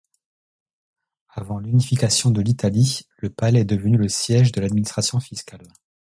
Avant l'unification de l'Italie, le palais est devenu le siège de l'administration fiscale.